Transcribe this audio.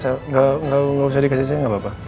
ya malu kan yaudah gak usah dikasih saya gak apa apa